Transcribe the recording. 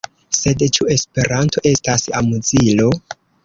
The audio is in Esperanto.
Sed, ĉu Esperanto estas amuzilo?